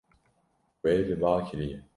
Wê li ba kiriye.